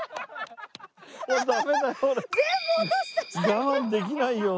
我慢できないよ。